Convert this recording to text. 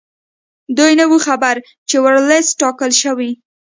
دوی نه وو خبر چې ورلسټ ټاکل شوی.